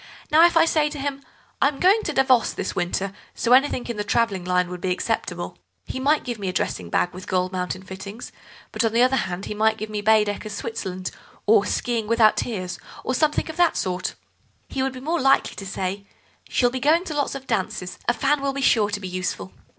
Now if I say to him: 'I am going out to Davos this winter, so anything in the travelling line would be acceptable,' he might give me a dressing bag with gold mounted fittings, but, on the other hand, he might give me Baedeker's Switzerland, or 'Skiing without Tears,' or something of that sort." "He would be more likely to say: 'She'll be going to lots of dances, a fan will be sure to be useful.